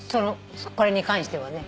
これに関してはね。